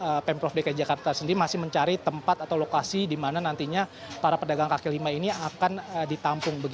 namun saat itu sandiaga uno mengatakan bahwa pemprov dki jakarta sendiri masih mencari tempat atau lokasi dimana nantinya para pedagang kaki lima ini akan ditampung